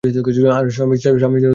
আর স্বামীজীরও ঐরূপ অভিপ্রায়ই ছিল।